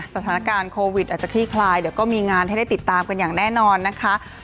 สถานการณ์โควิดอาจจะคลี่คลายเดี๋ยวก็มีงานให้ได้ติดตามกันอย่างแน่นอนนะคะ